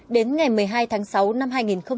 đến ngày một mươi hai tháng sáu năm hai nghìn một mươi năm